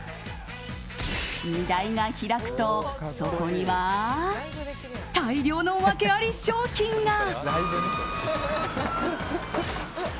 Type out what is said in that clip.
荷台が開くとそこには大量のワケあり商品が。